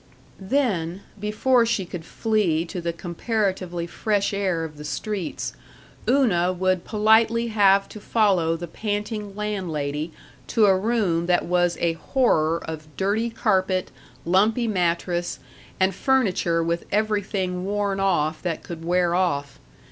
Then, before she could flee to the comparatively fresh air of the streets, Una would politely have to follow the panting landlady to a room that was a horror of dirty carpet, lumpy mattress, and furniture with everything worn off that could wear off.